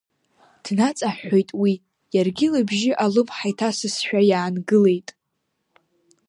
Днаҵаҳәҳәеит уи, иаргьы лыбжьы алымҳа иҭасызшәа, иаангылеит.